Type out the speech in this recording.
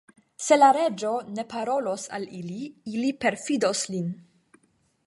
Se la reĝo ne parolos al ili, ili perfidos lin.